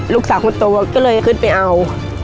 ลูกสาวคนโตก็เลยขึ้นไปเอา